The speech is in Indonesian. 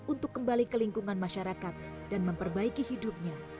untuk kembali ke lingkungan masyarakat dan memperbaiki hidupnya